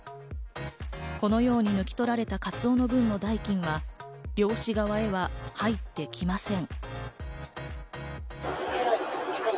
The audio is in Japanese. このように抜き取られたカツオの分の代金は漁師側へは入ってきません。